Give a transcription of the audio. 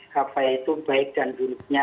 kpa itu baik dan gunanya